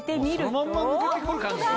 そのまんま抜けてくる感じするね。